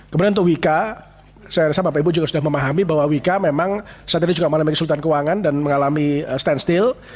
kemudian untuk wika saya rasa bapak ibu juga sudah memahami bahwa wika memang saat ini juga mengalami kesulitan keuangan dan mengalami stainstil